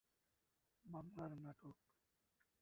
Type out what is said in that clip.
বহুবিধ পরিবর্তন, পরিমার্জন একে একটি কালজয়ী নাটকের রূপ দিয়েছে।